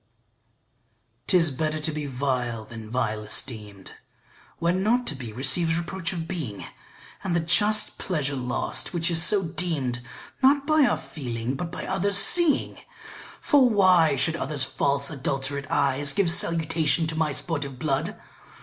'TIS better to be vile than vile esteem'd, When not to be receives reproach of being, And the just pleasure lost which is so deem'd Not by our feeling but by others' seeing: For why should others false adulterate eyes Give salutation to my sportive blood?